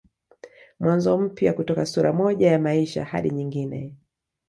Mwanzo mpya kutoka sura moja ya maisha hadi nyingine